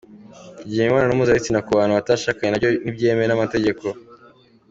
Kugira imibonano mpuzabitsina ku bantu batashakanye nabyo ntibyemewe n'amategeko.